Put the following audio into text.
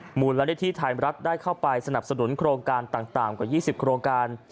มูลนิธิไทยรัฐได้เข้าไปสนับสนุนโครงการต่างกว่า๒๐โครงการ